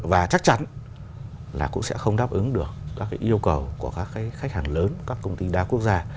và chắc chắn là cũng sẽ không đáp ứng được các cái yêu cầu của các cái khách hàng lớn các công ty đa quốc gia